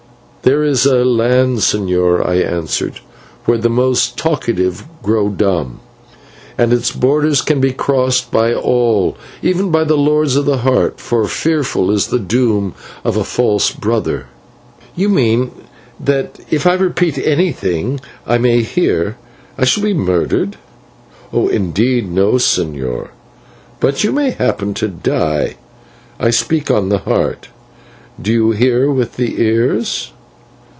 "There is a land, señor," I answered, "where the most talkative grow dumb, and its borders can be crossed by all, even by the Lords of the Heart, for fearful is the doom of a false brother!" "You mean that if I repeat anything I may hear, I shall be murdered." "Indeed, no, señor; but you may happen to die. I speak on the Heart; do you hear with the Ears?"